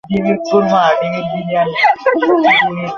তোমার তূণে অনেক বাণ আছে রণরঙ্গিণী!